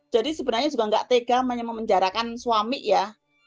jadi sebenarnya juga nggak tega menjarakan suami ya